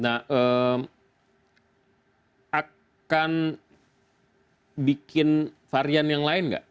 nah akan bikin varian yang lain nggak